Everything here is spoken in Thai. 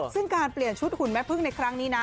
ซึ่งการเปลี่ยนชุดหุ่นแม่พึ่งในครั้งนี้นะ